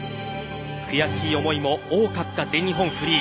悔しい思いも多かった全日本フリー。